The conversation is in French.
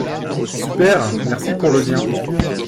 Super, merci pour le lien